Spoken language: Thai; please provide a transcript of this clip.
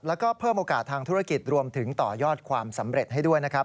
แล้วก็เพิ่มโอกาสทางธุรกิจรวมถึงต่อยอดความสำเร็จให้ด้วยนะครับ